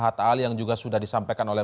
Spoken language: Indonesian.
hatta ali yang juga sudah disampaikan oleh